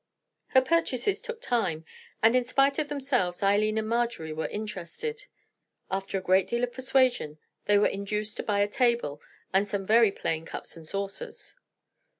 Her purchases took time, and in spite of themselves Eileen and Marjorie were interested. After a great deal of persuasion they were induced to buy a table and some very plain cups and saucers.